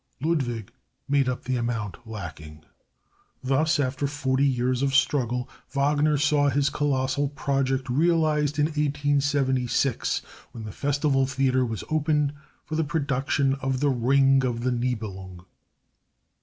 Ludwig made up the amount lacking. Thus, after forty years of struggle, Wagner saw his colossal project realized in 1876, when the Festival Theater was opened for the production of the Ring of the Nibelung.